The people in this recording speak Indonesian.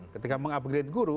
ketika mengupgrade guru